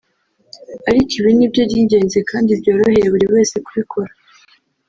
ariko ibi nibyo by’ingenzi kandi byoroheye buri wese kubikora